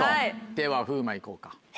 では風磨行こうか。